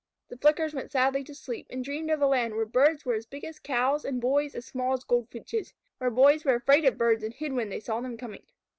The Flickers went sadly to sleep, and dreamed of a land where Birds were as big as Cows and Boys as small as Goldfinches where boys were afraid of birds and hid when they saw them coming.